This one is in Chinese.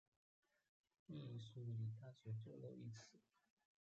密苏里大学坐落于此。